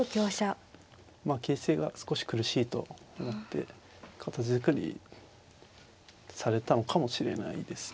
もしかしたら形勢が少し苦しいと思って形作りされたのかもしれないですね。